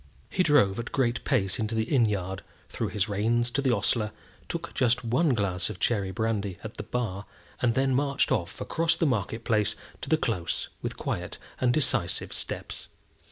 He drove at a great pace into the inn yard, threw his reins to the ostler, took just one glass of cherry brandy at the bar, and then marched off across the market place to the Close, with quiet and decisive steps.